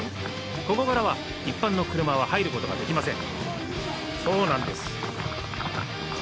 ここからは一般の車は入ることはできません。